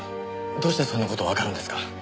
どうしてそんな事わかるんですか？